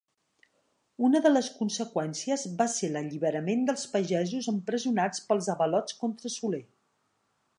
Una de les conseqüències va ser l'alliberament dels pagesos empresonats pels avalots contra Soler.